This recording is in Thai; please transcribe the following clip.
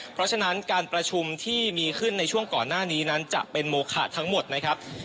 เพราะฉะนั้นการประชุมที่มีขึ้นในช่วงก่อนหน้านี้นั้นจะเป็นโมคะทั้งหมดนะครับ